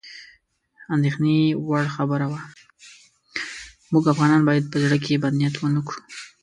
موږ افغانان باید په زړه کې بد نیت ورنه کړو.